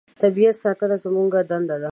د طبیعت ساتنه زموږ دنده ده.